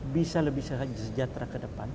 bisa lebih sejahtera ke depan